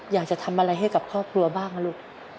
อยากจะทำอะไรให้กับครอบครัวบ้างนะลูก